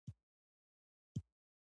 یوازینۍ څه چې له زړونو نه شو لرې کولای.